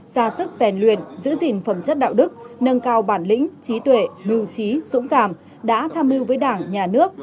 ra sức rèn luyện giữ gìn phẩm chất đạo đức nâng cao bản lĩnh trí tuệ bưu trí sũng cảm đã tham lưu với đảng nhà nước